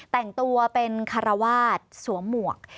แต่งตัวเป็นคารวาสสวมหมวก